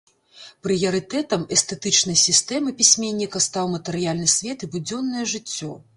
Прыярытэтам эстэтычнай сістэмы пісьменніка стаў матэрыяльны свет і будзённае жыццё.